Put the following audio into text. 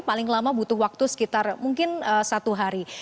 paling lama butuh waktu sekitar mungkin satu hari